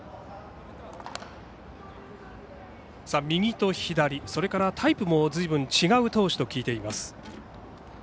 右と左、それからタイプもずいぶん違う投手と聞いています。